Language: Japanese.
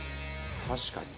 確かに。